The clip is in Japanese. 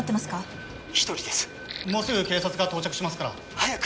・もうすぐ警察が到着しますから・早く！